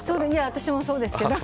私もそうですけど。